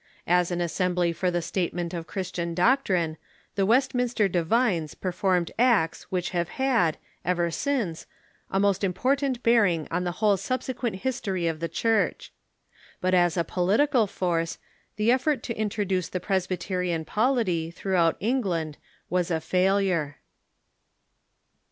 As an assembly for the statement of Christian doctrine, the Westminster divines per formed acts which have had, ever since, a most important bear ing on the whole subsequent history of the Church. But as a political force, the effort to introduce the Presbyterian polity throuffhout England was a failure.